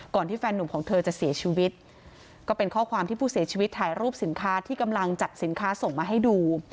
ที่แฟนหนุ่มของเธอจะเสียชีวิตก็เป็นข้อความที่ผู้เสียชีวิตถ่ายรูปสินค้าที่กำลังจัดสินค้าส่งมาให้ดู